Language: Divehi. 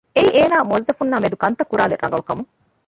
އެއީ އޭނާ މުއައްޒަފުންނާ މެދު ކަންތައް ކުރާލެއް ރަނގަޅު ކަމުން